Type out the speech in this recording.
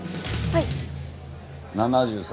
はい。